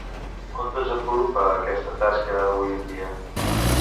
On desenvolupa aquesta tasca avui en dia?